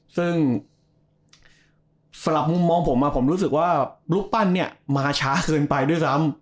ซึ่งสำหรับมุมมองผมผมรู้สึกว่ารูปปั้นเนี่ยมาช้าเกินไปด้วยซ้ำ